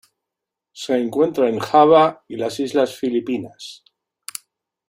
Se encuentra en Java y las Islas Filipinas.